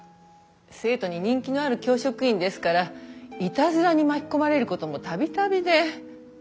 生徒に人気のある教職員ですからイタズラに巻き込まれることも度々で。